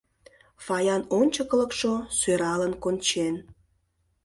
Фаян ончыклыкшо сӧралын кончен.